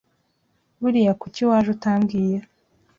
Buriya kuki waje utambwiye